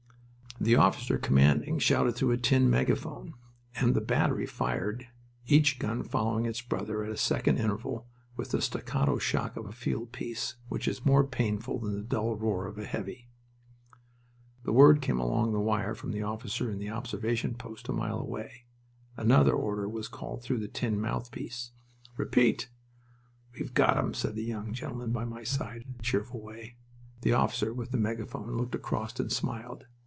The officer commanding shouted through a tin megaphone, and the battery fired, each gun following its brother at a second interval, with the staccato shock of a field piece, which is more painful than the dull roar of a "heavy." A word came along the wire from the officer in the observation post a mile away. Another order was called through the tin mouthpiece. "Repeat!" "We've got'em," said the young gentleman by my side, in a cheerful way. The officer with the megaphone looked across and smiled.